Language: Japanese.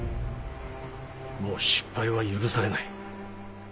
もう失敗は許されない。